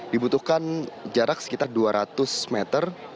dibutuhkan jarak sekitar dua ratus meter